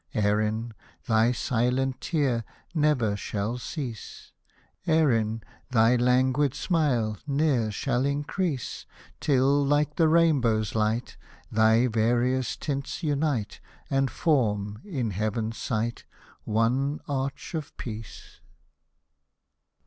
Erin, thy silent tear never shall cease, Erin, thy languid smile ne'er shall increase. Till, like the rainbow's light, Thy various tints unite, And form in heaven's sight One arch of peace